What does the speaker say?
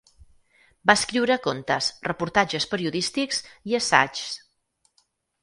Va escriure contes, reportatges periodístics i assaigs.